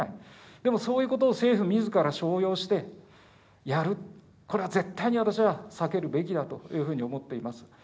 でもそういうことを政府みずからしょうようしてやる、これ、絶対に私は避けるべきだというふうに思っています。